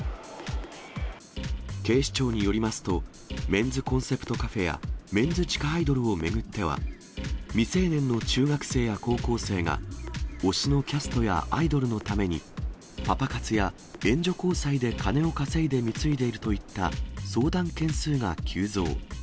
警視庁によりますと、メンズコンセプトカフェやメンズ地下アイドルを巡っては、未成年の中学生や高校生が、推しのキャストやアイドルのために、パパ活や援助交際で金を稼いで貢いでいるといった相談件数が急増。